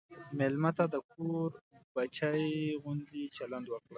مېلمه ته د کور بچی غوندې چلند وکړه.